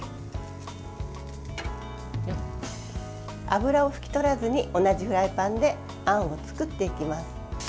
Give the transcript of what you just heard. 油を拭き取らずに同じフライパンであんを作っていきます。